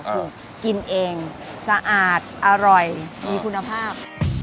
คือกินเองสะอาดอร่อยมีคุณภาพ